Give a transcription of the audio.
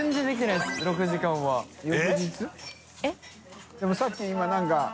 任さっき今何か。